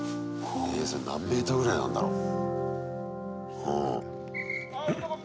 それ、何メートルぐらいなんだろう。